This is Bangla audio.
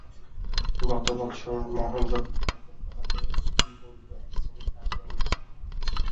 গত বৎসর মহেন্দ্র পরীক্ষায় ফেল করাতে দুই বন্ধু এক শ্রেণীতে আসিয়া মিলিল।